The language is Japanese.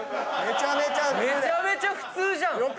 めちゃめちゃ普通じゃん！よかった。